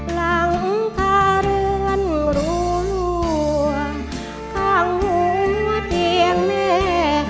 หลังคาเรือนรั่วงข้างหัวเตียงแม่